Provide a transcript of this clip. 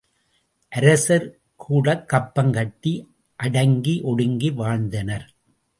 அரசர் கூடக் கப்பம் கட்டி அடங்கி ஒடுங்கி வாழ்ந்தனர்.